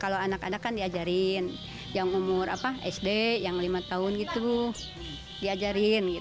kalau anak anak kan diajarin yang umur sd yang lima tahun gitu diajarin